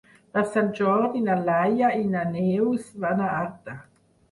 Per Sant Jordi na Laia i na Neus van a Artà.